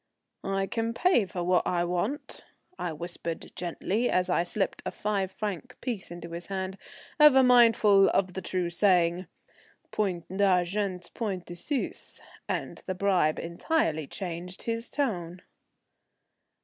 "I can pay for what I want," I whispered gently, as I slipped a five franc piece into his hand, ever mindful of the true saying, Point d'argent, point de Suisse; and the bribe entirely changed his tone.